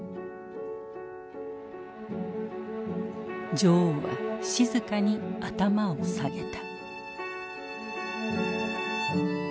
女王は静かに頭を下げた。